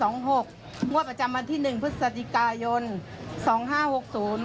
หกงวดประจำวันที่หนึ่งพฤศจิกายนสองห้าหกศูนย์